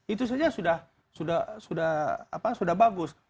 itu saja sudah bagus